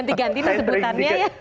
ganti gantinya disebutannya ya